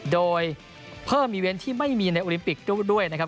โดยเพิ่มอีเวนต์ที่ไม่มีในโอลิมปิกด้วยนะครับ